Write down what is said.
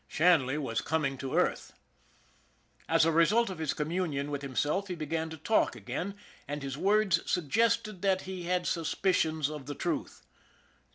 Shanley was coming to earth. As a result of his communion with himself he began to talk again, and his words suggested that he had sus picions of the truth.